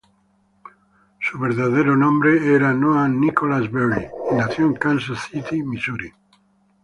Su verdadero nombre era Noah Nicholas Beery, y nació en Kansas City, Missouri.